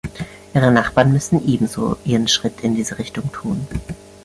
Ihre Nachbarn müssen ebenso ihren Schritt in diese Richtung tun.